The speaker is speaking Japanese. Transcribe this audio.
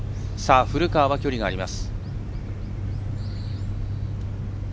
古川は距離があります。